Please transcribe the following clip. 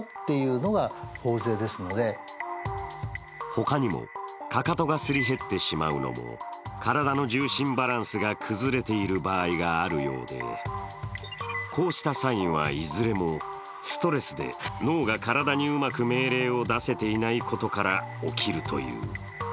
他にも、かかとがすり減ってしまうのも体の重心バランスが崩れている場合があるようでこうしたサインは、いずれもストレスで脳が体にうまく命令を出せていないことから起きるという。